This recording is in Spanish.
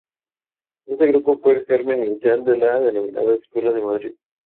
Este grupo fue el germen inicial de la denominada Escuela de Madrid.